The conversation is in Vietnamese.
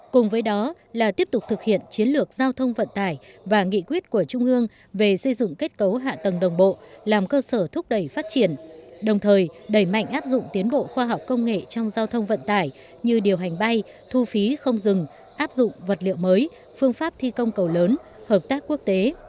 cùng với đó là tiếp tục thực hiện chiến lược giao thông vận tải và nghị quyết của trung ương về xây dựng kết cấu hạ tầng đồng bộ làm cơ sở thúc đẩy phát triển đồng thời đẩy mạnh áp dụng tiến bộ khoa học công nghệ trong giao thông vận tải như điều hành bay thu phí không dừng áp dụng vật liệu mới phương pháp thi công cầu lớn hợp tác quốc tế